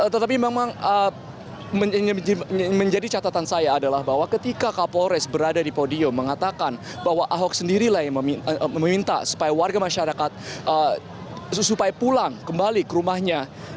tetapi memang menjadi catatan saya adalah bahwa ketika kapolres berada di podium mengatakan bahwa ahok sendirilah yang meminta supaya warga masyarakat supaya pulang kembali ke rumahnya